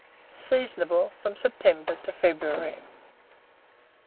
Seasonable from September to February.